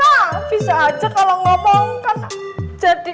pak mir nah bisa aja kalau ngomong kan jadi